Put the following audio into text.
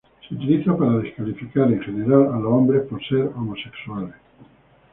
Se utiliza para descalificar en general a los hombres por ser homosexual.